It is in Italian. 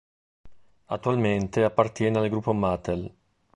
Attualmente appartiene al gruppo Mattel.